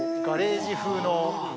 ガレージ風の。